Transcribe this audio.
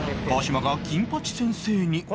川島が金八先生に